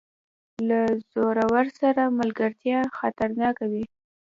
له زورور سره ملګرتیا خطرناکه وي.